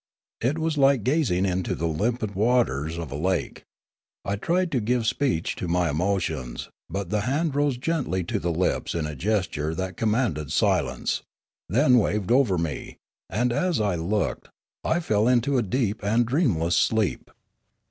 It was like gazing into the limpid waters of a lake; I tried to give speech to my emotions, but the hand rose gently to the lips in a gesture that com manded silence, then waved over me, and, as I looked, I fell into a deep and dreamless sleep.